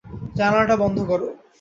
জানালাটা বন্ধ করো।